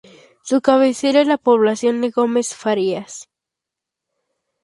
Su cabecera es la población de Gómez Farías.